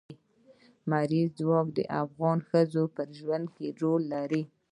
لمریز ځواک د افغان ښځو په ژوند کې رول لري.